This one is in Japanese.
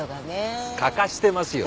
欠かしてますよ。